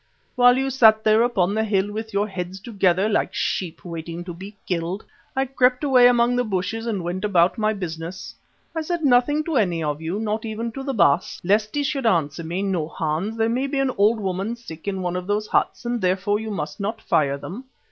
While you sat there upon the hill with your heads together, like sheep waiting to be killed, I crept away among the bushes and went about my business. I said nothing to any of you, not even to the Baas, lest he should answer me, 'No, Hans, there may be an old woman sick in one of those huts and therefore you must not fire them.